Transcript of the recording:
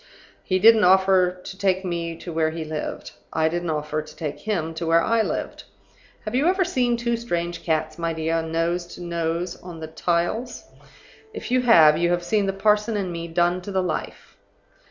He didn't offer to take me to where he lived. I didn't offer to take him to where I lived. Have you ever seen two strange cats, my dear, nose to nose on the tiles? If you have, you have seen the parson and me done to the life.